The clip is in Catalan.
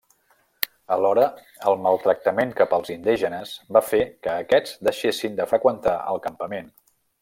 Alhora, el maltractament cap als indígenes va fer que aquests deixessin de freqüentar el campament.